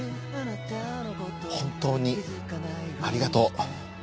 本当にありがとう。